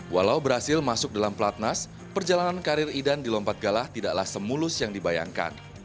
walau berhasil masuk dalam platnas perjalanan karir idan di lompat galah tidaklah semulus yang dibayangkan